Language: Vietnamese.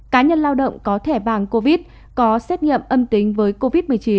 cá nhân lao động có thể bằng covid có xét nghiệm âm tính với covid một mươi chín